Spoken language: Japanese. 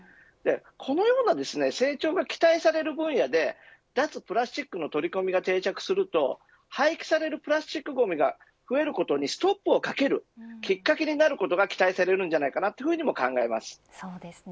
このような成長が期待される分野で脱プラスチックの取り組みが定着すると廃棄されるプラスチックごみが増えることにストップをかけるきっかけになることが期待されると考えます。